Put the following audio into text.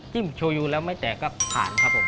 โชยูแล้วไม่แตกก็ผ่านครับผม